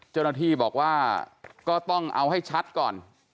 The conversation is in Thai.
เจ้าหน้าที่บอกว่าก็ต้องเอาให้ชัดก่อน